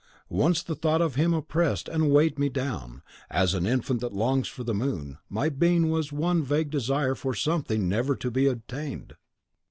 .... "Once the thought of him oppressed and weighed me down. As an infant that longs for the moon, my being was one vague desire for something never to be attained.